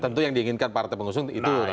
tentu yang diinginkan partai pengusung itu